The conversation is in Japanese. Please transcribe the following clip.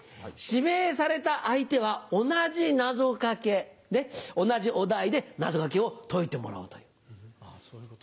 指名された相手は同じ謎掛け同じお題で謎掛けを解いてもらおうという。